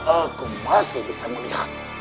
aku masih bisa melihat